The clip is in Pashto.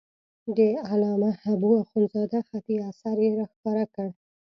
د علامه حبو اخندزاده خطي اثر یې را وښکاره کړ.